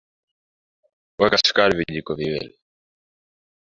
Weka sukari vijiko viwili